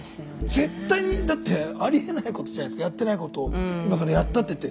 絶対にありえないことじゃないですかやってないことをやったって言って。